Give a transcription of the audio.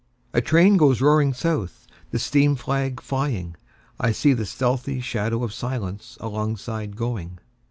A train goes roaring south, The steam flag flying;I see the stealthy shadow of silenceAlongside going.